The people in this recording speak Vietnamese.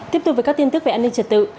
tiếp tục với các tin tức về an ninh trật tự